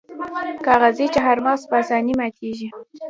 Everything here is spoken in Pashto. کاغذي چهارمغز په اسانۍ ماتیږي.